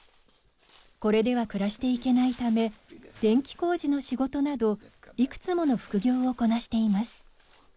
これでは暮らしていけないため電気工事の仕事などいくつもの副業をこなしています。